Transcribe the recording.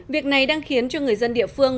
việc này đang khiến cho người dân địa phương